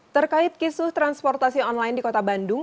terkait kisu transportasi online di kota bandung